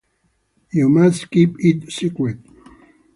You must keep it secret.